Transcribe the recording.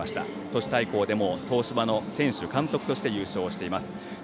都市対抗でも東芝の選手、監督として優勝しています。